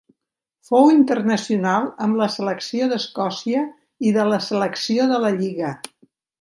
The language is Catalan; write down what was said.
Fou internacional amb la selecció d'Escòcia i de la selecció de la lliga.